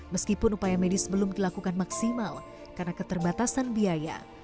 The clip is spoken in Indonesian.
meskipun upaya medis belum dilakukan maksimal karena keterbatasan biaya